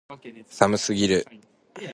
寒すぎる